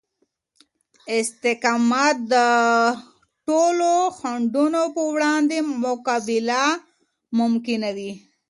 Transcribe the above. استقامت د ټولو خنډونو په وړاندې مقابله ممکنوي.